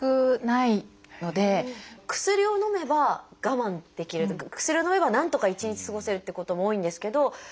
薬をのめば我慢できるというか薬をのめばなんとか一日過ごせるってことも多いんですけど。